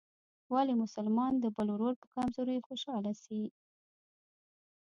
ولي مسلمان د بل ورور په کمزورۍ خوشحاله سي؟